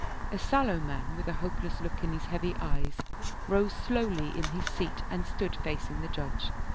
A sallow man with a hopeless look in his heavy eyes rose slowly in his seat and stood facing the judge.